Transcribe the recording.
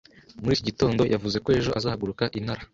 Muri iki gitondo yavuze ko ejo azahaguruka i Nara.